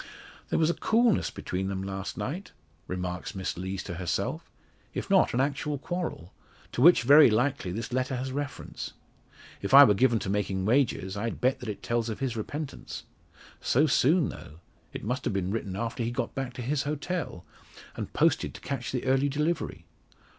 "There was a coolness between them last night," remarks Miss Lees to herself, "if not an actual quarrel; to which, very likely, this letter has reference. If I were given to making wagers, I'd bet that it tells of his repentance. So soon, though! It must have been written after he got back to his hotel, and posted to catch the early delivery.